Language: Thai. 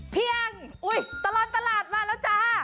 เพียงตลอดตลาดมาแล้วจ้า